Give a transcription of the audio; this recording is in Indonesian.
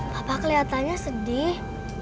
papa kelihatannya sedih